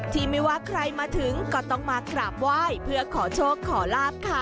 ไม่ว่าใครมาถึงก็ต้องมากราบไหว้เพื่อขอโชคขอลาบค่ะ